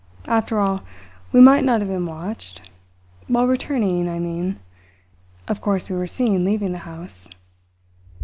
After all, we might not have been watched while returning, I mean. Of course we were seen leaving the house."